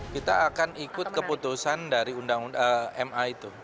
kita akan ikut keputusan dari undang ma itu